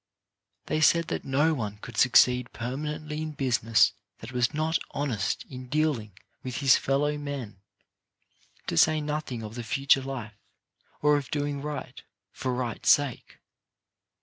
They said that no one could succeed permanently in business who was not honest in dealing with his fellow men, to say nothing of the future life or of doing right for right's sake.